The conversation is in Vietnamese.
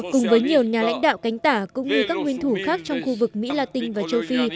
cùng với nhiều nhà lãnh đạo cánh tả cũng như các nguyên thủ khác trong khu vực mỹ latin và châu phi